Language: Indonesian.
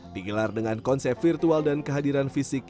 digelar dengan konsep virtual dan kehadiran fisik